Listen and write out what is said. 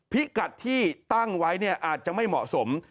พิกัดที่ตั้งไว้เนี่ยอาจจะไม่เหมาะสม